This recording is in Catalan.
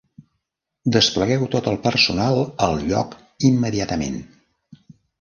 Desplegueu tot el personal al lloc immediatament.